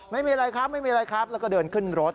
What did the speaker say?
ไม่มีอะไรครับไม่มีอะไรครับแล้วก็เดินขึ้นรถ